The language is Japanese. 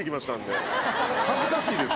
恥ずかしいです